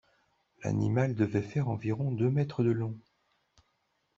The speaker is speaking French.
L'animal devait faire environ deux mètres de long.